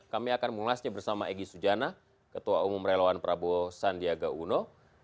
kami akan mengulasnya bersama egy sujana ketua umum relawan prabowo sandiaga uno